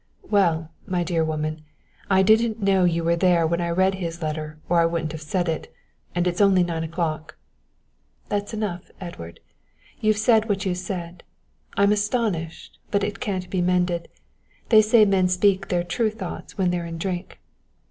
"Well, my dear woman, I didn't know you were there when I read his letter or I wouldn't have said it, and it's only nine o'clock." "That's enough, Edward; you've said what you've said. I'm astonished, but it can't be mended; they say men speak their true thoughts when they're in drink."